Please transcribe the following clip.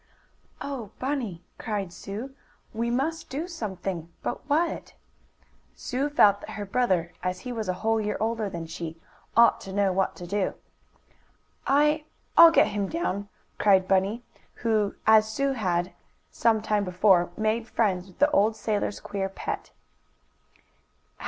"Oh, Bunny!" cried Sue. "We must do something but what?" Sue felt that her brother, as he was a whole year older than she, ought to know what to do. "I I'll get him down!" cried Bunny, who, as had Sue, had, some time before, made friends with the old sailor's queer pet.